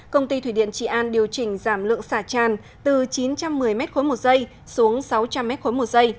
công ty thủy điện trị an điều chỉnh giảm lượng xả tràn từ chín trăm một mươi m một s xuống sáu trăm linh m một s